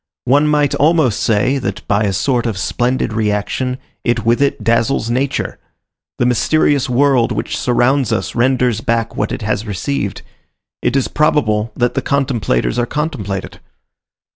One might almost say, that by a sort of splendid reaction, it with it dazzles nature; the mysterious world which surrounds us renders back what it has received; it is probable that the contemplators are contemplated.